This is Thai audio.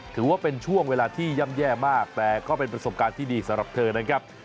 ถือว่าเป็นช่วงเวลาที่ย่ำแย่มากแต่ก็เป็นประสบการณ์ที่ดีสำหรับเธอนะครับ